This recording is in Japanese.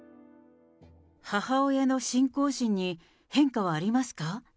母親の信仰心に変化はありますか？